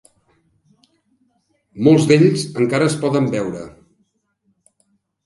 Molts d'ells encara es poden veure.